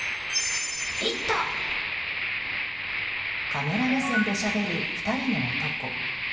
カメラ目線でしゃべる２人の男。